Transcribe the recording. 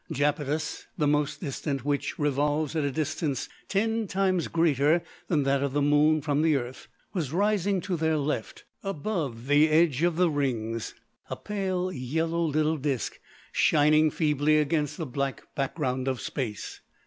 Japetus, the most distant, which revolves at a distance ten times greater than that of the Moon from the Earth, was rising to their left above the edge of the rings, a pale, yellow, little disc shining feebly against the black background of Space.